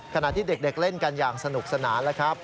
ขณะที่เด็กเล่นกันอย่างสนุกสนานแล้วครับ